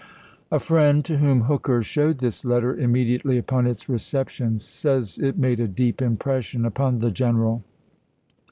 A friend, to whom Hooker showed this letter im mediately upon its reception, says it made a deep impression upon the general.